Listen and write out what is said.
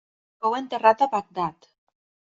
Fou enterrat a Bagdad.